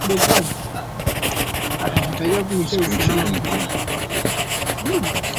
walipaswa kuondoka Najd na kukimbilia Kuwait Lakini Abdul Aziz